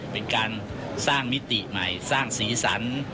เป็นการสร้างมิติใหม่สร้างสีสัน